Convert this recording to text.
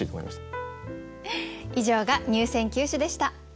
以上が入選九首でした。